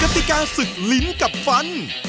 ถ้าสึกลิ้นกับฟัน